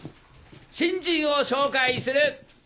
新人を紹介する！